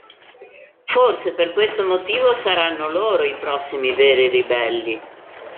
Forse per questo motivo saranno loro i prossimi veri ribelli.